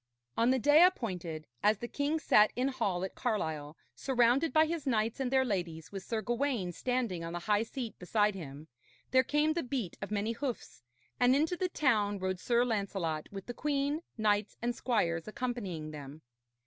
On the day appointed, as the king sat in hall at Carlisle, surrounded by his knights and their ladies, with Sir Gawaine standing on the high seat beside him, there came the beat of many hoofs, and into the town rode Sir Lancelot with the queen, knights and squires accompanying them.